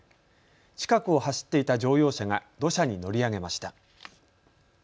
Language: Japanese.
近くを走っていた乗用車が土砂に乗り上げました。